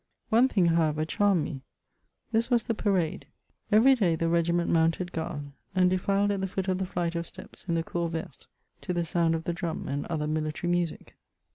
One thing, however, charmed me ; this was the parade. Every day the regiment mounted guard, and defiled at the foot of the flight of steps in the " Cour Verte," to the sound of the drum and other military music.